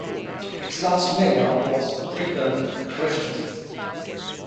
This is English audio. Its last mayor was Preben Christensen.